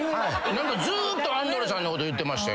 ずーっとアンドレさんのこと言ってましたよ。